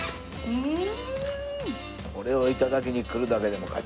うん。